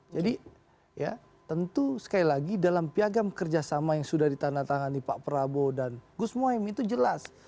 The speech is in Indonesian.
jadi ya tentu sekali lagi dalam piagam kerjasama yang sudah ditandatangani pak prabowo dan kusumo aimi itu jelas